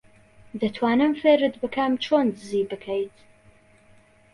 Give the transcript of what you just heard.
دەتوانم فێرت بکەم چۆن دزی بکەیت.